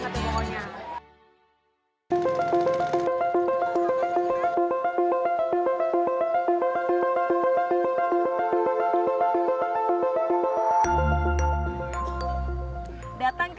datang ke kota banjarmasin